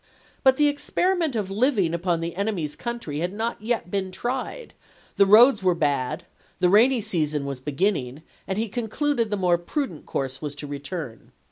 But the experiment of living upon the enemy's country had not yet been tried; the roads were bad ; the rainy season was beginning, and he con cluded the more prudent course was to return.